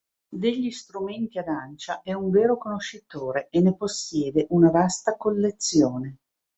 Degli strumenti ad ancia è un vero conoscitore e ne possiede una vasta collezione.